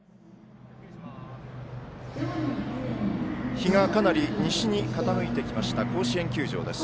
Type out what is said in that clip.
日がかなり西に傾いてきました甲子園球場です。